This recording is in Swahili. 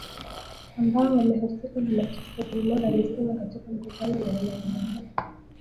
ambao wamehusika na mateso Gilmore alisema katika mkutano na wanahabari